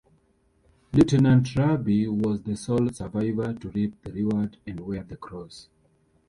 Lieutenant Raby was the sole survivor to reap the reward and wear the Cross.